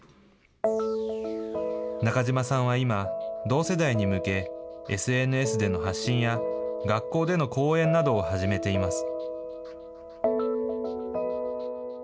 中島さんは今、同世代に向け、ＳＮＳでの発信や、学校での講演などを始めています。